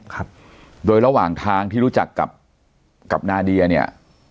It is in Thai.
ครับโดยระหว่างทางที่รู้จักกับกับนาเดียเนี่ย